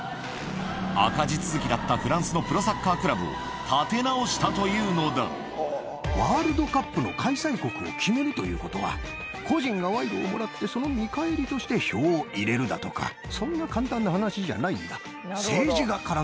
赤字続きだったフランスのプロサッカークラブを建て直したというワールドカップの開催国を決めるということは、個人が賄賂をもらって、その見返りとして票を入れるだとか、そんな簡単な話じゃないんだ。